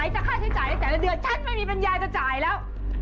จะค่าใช้จ่ายในแต่ละเดือนฉันไม่มีปัญญาจะจ่ายแล้ว